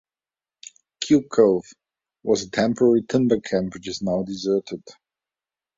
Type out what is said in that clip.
Cube Cove was a temporary timber camp, which is now deserted.